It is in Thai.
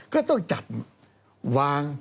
ก็ต้องจัดวาง